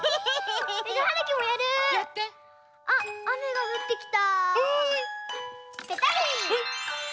うん？あっあめがふってきた。